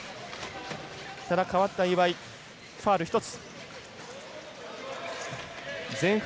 代わった岩井、ファウル１つ。